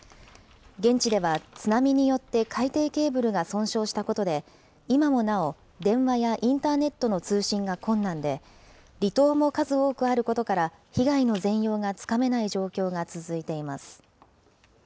現地では、津波によって海底ケーブルが損傷したことで、今もなお、電話やインターネットの通信が困難で、離島も数多くあることから、被害の全容がつかめない状況が続いています。